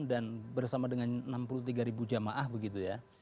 dan bersama dengan enam puluh tiga jamaah begitu ya